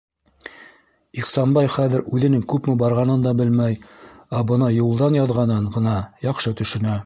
Ихсанбай хәҙер үҙенең күпме барғанын да белмәй, ә бына юлдан яҙғанын ғына яҡшы төшөнә.